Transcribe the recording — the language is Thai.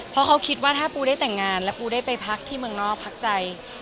เพราะเขาคิดว่าถ้าปูได้แต่งงานแล้วปูได้ไปพักที่เมืองนอกพักใจ